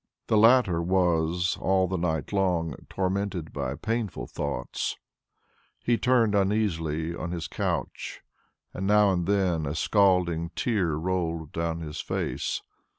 The latter was, all the night long, tormented by painful thoughts; he turned uneasily on his couch, and now and then a scalding tear rolled down his face.